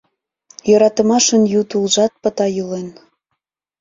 Йӧратымашын ю тулжат Пыта йӱлен.